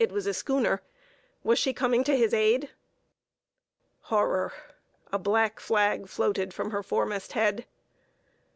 It was a schooner. Was she coming to his aid? Horror! A black flag floated from her foremast head.